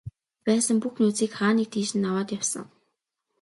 Байсан бүх нөөцийг хаа нэг тийш нь аваад явсан.